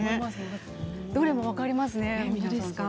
でも分かりますね。